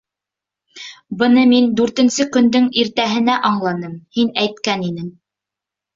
Быны мин дүртенсе көндөң иртәһенә аңланым, һин әйткән инең: